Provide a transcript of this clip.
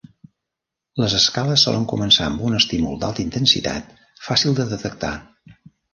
Les escales solen començar amb un estímul d'alta intensitat, fàcil de detectar.